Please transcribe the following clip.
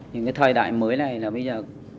những cái thời đại mới này là bây giờ